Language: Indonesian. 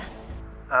kita bisa ketemu